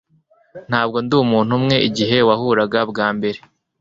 Ntabwo ndi umuntu umwe igihe wahuraga bwa mbere